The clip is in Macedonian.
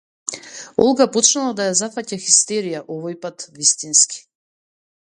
Олга почнала да ја зафаќа хистерија, овојпат вистински.